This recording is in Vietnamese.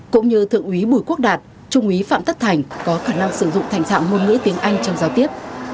cũng như thượng úy bùi quốc đạt trung úy phạm tất thành có khả năng sử dụng thành thạo ngôn ngữ tiếng anh trong giao tiếp